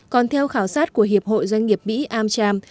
còn theo khảo sát của hiệp hội doanh nghiệp mỹ amcham